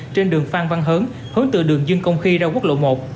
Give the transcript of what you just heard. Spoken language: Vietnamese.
trên đường phan văn hớn hướng từ đường dương công khi ra quốc lộ một